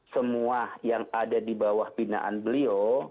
semua yang ada di bawah binaan beliau